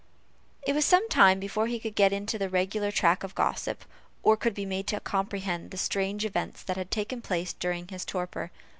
It was some time before he could get into the regular track of gossip, or could be made to comprehend the strange events that had taken place during his torpor.